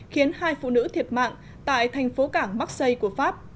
khiến hai phụ nữ thiệt mạng tại thành phố cảng marseille